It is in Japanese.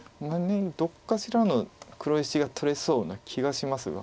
どこかしらの黒石が取れそうな気がしますが。